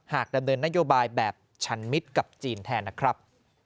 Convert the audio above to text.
ดำเนินนโยบายแบบชันมิตรกับจีนแทนนะครับ